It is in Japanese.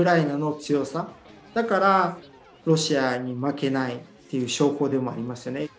だからロシアに負けないっていう証拠でもありますよね。